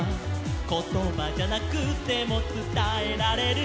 「ことばじゃなくてもつたえられる」